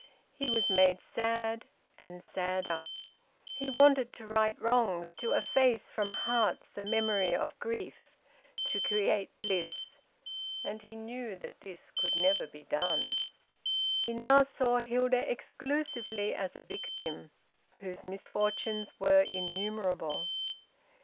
He was made sad, and sadder. He wanted to right wrongs, to efface from hearts the memory of grief, to create bliss; and he knew that this could never be done. He now saw Hilda exclusively as a victim, whose misfortunes were innumerable.